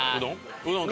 うどん？